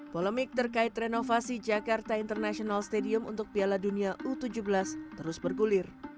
polemik terkait renovasi jakarta international stadium untuk piala dunia u tujuh belas terus bergulir